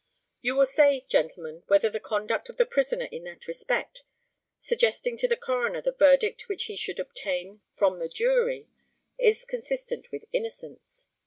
You will say, gentlemen, whether the conduct of the prisoner in that respect suggesting to the coroner the verdict which he should obtain from the jury is consistent with innocence.